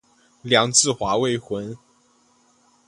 梁质华未婚。